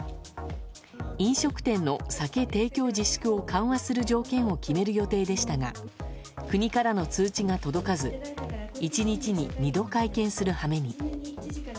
飲食店の酒提供自粛を緩和する条件を決める予定でしたが国からの通知が届かず１日に２度会見する羽目に。